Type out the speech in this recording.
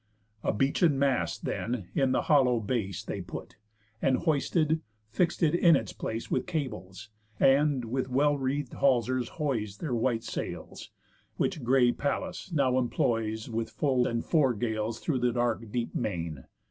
A beechen mast, then, in the hollow base They put, and hoisted, fix'd it in its place With cables; and with well wreath'd halsers hoise Their white sails, which grey Pallas now employs With full and fore gales through the dark deep main.